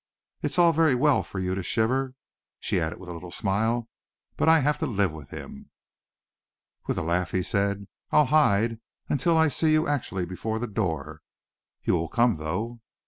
It's all very well for you to shiver," she added, with a little smile, "but I have to live with him." With a laugh he said: "I'll hide, until I see you actually before the door. You will come, though?"